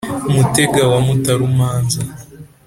Mutega wa Mutarumanza